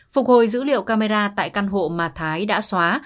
phục hồi dữ liệu camera tại căn hộ mà thái đã xóa